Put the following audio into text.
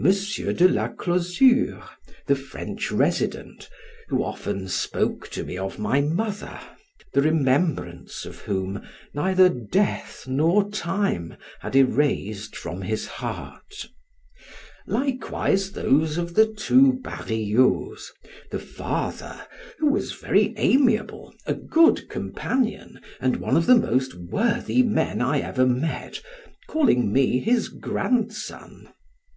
de Closure, the French Resident, who often spoke to me of my mother, the remembrance of whom neither death nor time had erased from his heart; likewise those of the two Barillots, the father, who was very amiable, a good companion, and one of the most worthy men I ever met, calling me his grandson.